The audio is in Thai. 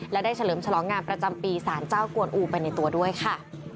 และได้เฉลิมฉลองงานประจำปีสารเจ้ากวนอูไปในตัวด้วยค่ะ